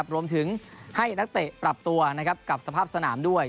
รวมถึงให้นักเตะปรับตัวกับสภาพสนามด้วย